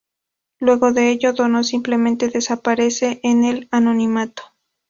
Luego de ello, Dono simplemente desaparece en el anonimato.